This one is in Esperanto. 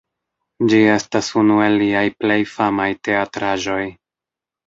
Ĝi estas unu el liaj plej famaj teatraĵoj.